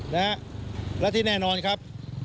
และที่แน่นอนครับ